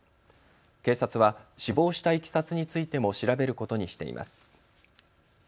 警察は死亡したいきさつについても調べることにしています。